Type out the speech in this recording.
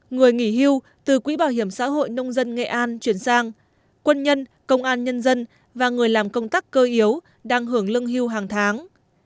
người nghỉ hưu từ quỹ bảo hiểm xã hội nông dân nghệ an chuyển sang quân nhân công an nhân dân và người làm công tác cơ yếu đang hưởng lương hưu hàng tháng